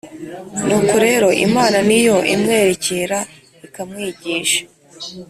Nuko rero, Imana ni yo imwerekera, ikamwigisha.